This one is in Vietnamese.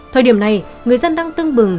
thời điểm này người dân đang tưng bừng